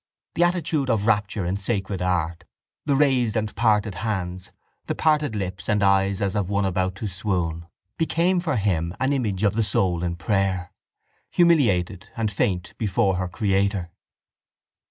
The attitude of rapture in sacred art, the raised and parted hands, the parted lips and eyes as of one about to swoon, became for him an image of the soul in prayer, humiliated and faint before her Creator.